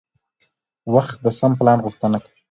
وخت د سم پلان غوښتنه کوي